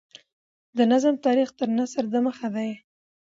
د نظم تاریخ تر نثر دمخه دﺉ.